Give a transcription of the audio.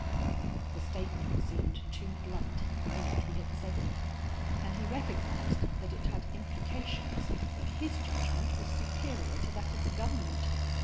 The statement seemed too blunt the minute he had said it, and he recognized that it had implications that his judgment was superior to that of the government.